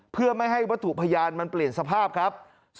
เพื่อไม่ให้วัตถุพยานมันเปลี่ยนสภาพครับ